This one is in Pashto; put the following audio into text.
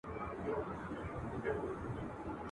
چي په ښار کي پاته پیر او تعویذګروي ..